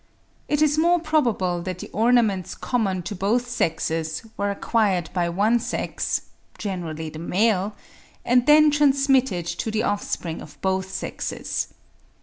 It is more probable that the ornaments common to both sexes were acquired by one sex, generally the male, and then transmitted to the offspring of both sexes.